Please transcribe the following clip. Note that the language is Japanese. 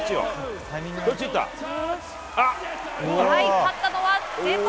勝ったのは瀬戸！